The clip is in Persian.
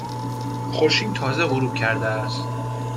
خورشید تازه غروب کرده است.